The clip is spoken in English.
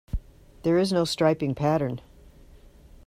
There is no striping pattern.